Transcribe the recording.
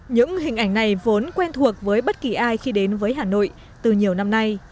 những hình ảnh này vốn quen thuộc với bất kỳ ai khi đến với hà nội từ nhiều năm nay